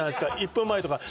１分前とか。